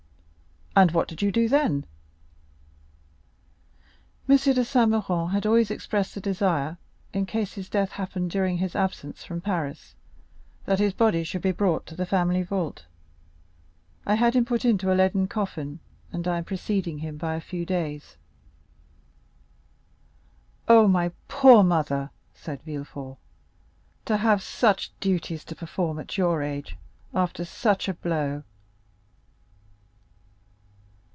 "And what did you do then?" "M. de Saint Méran had always expressed a desire, in case his death happened during his absence from Paris, that his body might be brought to the family vault. I had him put into a leaden coffin, and I am preceding him by a few days." "Oh! my poor mother!" said Villefort, "to have such duties to perform at your age after such a blow!"